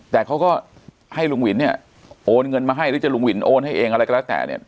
แต่เขาก็ให้ลุงวินเนี่ยโอนเงินมาให้หรือจะลุงหวินโอนให้เองอะไรก็แล้วแต่เนี่ย